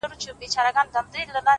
بيا د تورو سترګو و بلا ته مخامخ يمه’